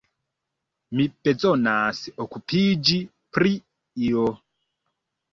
Mi bezonas okupiĝi pri io.